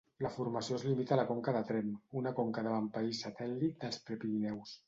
La formació es limita a la conca de Tremp, una conca d'avantpaís satèl·lit dels Prepirineus.